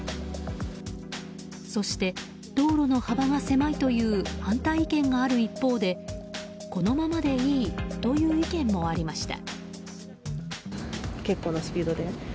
そして、道路の幅が狭いという反対意見がある一方でこのままでいいという意見もありました。